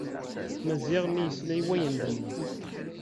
Maziɣ mi yesla i wayen d-tenna.